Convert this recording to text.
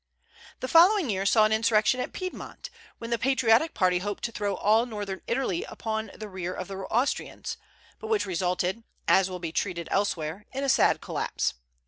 The following year saw an insurrection in Piedmont, when the patriotic party hoped to throw all Northern Italy upon the rear of the Austrians, but which resulted, as will be treated elsewhere, in a sad collapse.